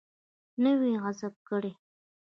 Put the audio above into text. نه وي غصب کړی.